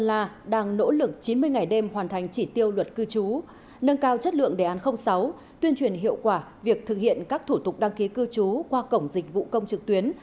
sơn la đang nỗ lực chín mươi ngày đêm hoàn thành chỉ tiêu luật cư trú nâng cao chất lượng đề án sáu tuyên truyền hiệu quả việc thực hiện các thủ tục đăng ký cư trú qua cổng dịch vụ công trực tuyến